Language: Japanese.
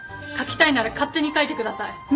書きたいなら勝手に書いてください！